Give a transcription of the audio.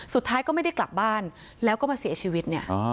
สุดท้ายก็ไม่ได้กลับบ้านแล้วก็มาเสียชีวิตเนี่ย